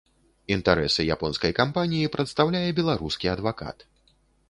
Інтарэсы японскай кампаніі прадстаўляе беларускі адвакат.